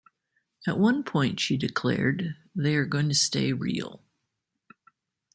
At one point she declared they are going to stay real...